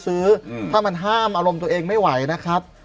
ถ้ามันห้ามอารมณ์ตัวเองไม่ไหวนะครับ